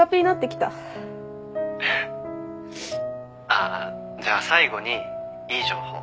ああじゃあ最後にいい情報。